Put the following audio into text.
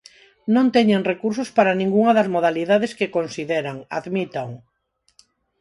Non teñen recursos para ningunha das modalidades que consideran, admítao.